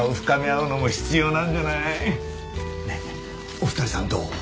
お二人さんどう？